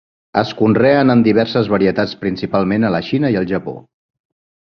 Es conreen en diverses varietats principalment a la Xina i al Japó.